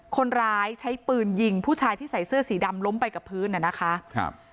คนร้ายใช้ปืนยิงผู้ชายที่ใส่เสื้อสีดำล้มไปกับพื้นน่ะนะคะครับ